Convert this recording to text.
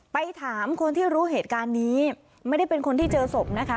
ไปถามคนที่รู้เหตุการณ์นี้ไม่ได้เป็นคนที่เจอศพนะคะ